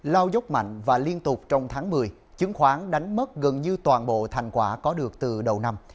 lao dốc mạnh và liên tục trong tháng một mươi chứng khoán đánh mất gần như toàn bộ thành quả có được từ đầu năm